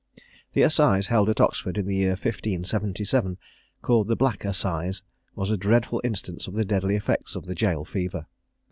The assize held at Oxford in the year 1577, called the "Black Assize," was a dreadful instance of the deadly effects of the jail fever.